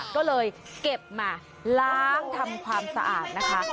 ก็เลยเก็บมาล้างทำความสะอาดนะคะ